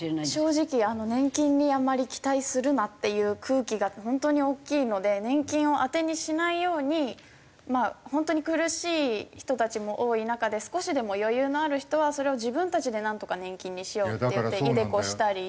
正直年金にあんまり期待するなっていう空気が本当に大きいので年金を当てにしないように本当に苦しい人たちも多い中で少しでも余裕のある人はそれを自分たちでなんとか年金にしようっていってｉＤｅＣｏしたり。